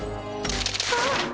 あっ。